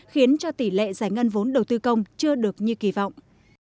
khiến cho tỷ lệ giải ngân vốn đầu tư công chưa được như kỳ vọng